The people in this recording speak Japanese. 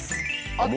あっ！